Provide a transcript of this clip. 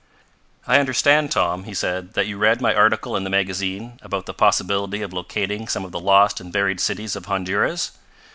"I understand, Tom," he said, "that you read my article in the magazine, about the possibility of locating some of the lost and buried cities of Honduras?"